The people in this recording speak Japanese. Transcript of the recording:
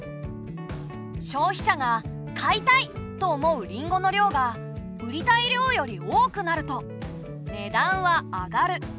消費者が「買いたい」と思うりんごの量が売りたい量より多くなると値段は上がる。